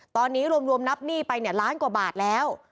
ตอนนี้รวมนับหนี้ไปเนี่ยล้านกว่าบาทแล้ว